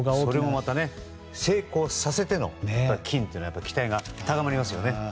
それもまた成功させての金というのに期待が高まりますよね。